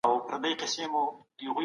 حکومت باید په تعلیم لګښت زیات کړي.